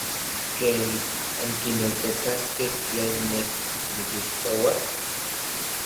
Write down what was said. ¿ken ankineltokaskej tlen nej nikijtoua?